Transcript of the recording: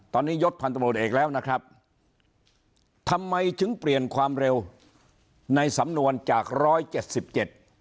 ตอนนี้ยศพันธบทเอกแล้วนะครับทำไมถึงเปลี่ยนความเร็วในสำนวนจากร้อยเจ็ดสิบเจ็ด